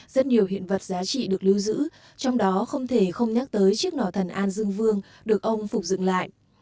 rất nhiều hiện vật giá trị được lưu giữ trong đó không thể không nhắc tới chiếc nỏ thần an dương vương được ông phục dựng lại